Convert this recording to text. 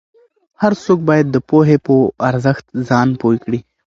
هر څوک باید د پوهې په ارزښت ځان پوه کړي.